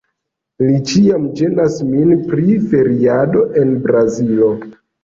Li ĉiam ĝenas min pri feriado en Brazilo